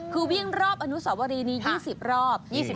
คือวิ่งรอบอนุสาวรีนี้๒๐รอบ